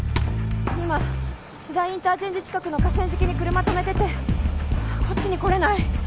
今ツダインターチェンジ近くの河川敷に車停めててこっちに来れない？